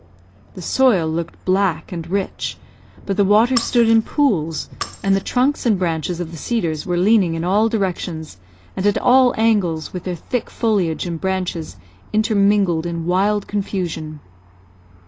The soil looked black and rich, but the water stood in pools, and the trunks and branches of the cedars were leaning in all directions, and at all angles, with their thick foliage and branches intermingled in wild confusion.